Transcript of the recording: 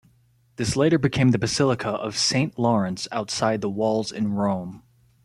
This later became the basilica of Saint Lawrence outside the Walls in Rome.